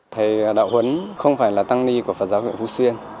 thầy đạo huấn không phải là tăng ni của phật giáo huyện phú xuyên